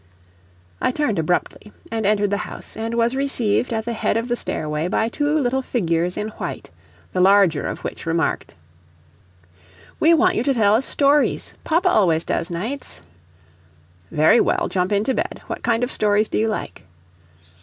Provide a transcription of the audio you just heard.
I turned abruptly, and entered the house, and was received at the head of the stairway by two little figures in white, the larger of which remarked: "We want you tell us stories papa always does nights." "Very well, jump into bed what kind of stories do you like?"